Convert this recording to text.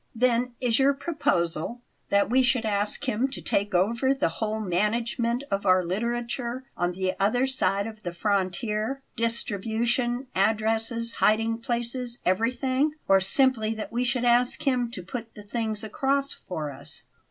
"Then is your proposal that we should ask him to take over the whole management of our literature on the other side of the frontier distribution, addresses, hiding places, everything or simply that we should ask him to put the things across for us?"